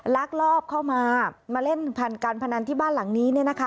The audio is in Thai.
ลากรอบเข้ามามาเล่นการพนันที่บ้านหลังนี้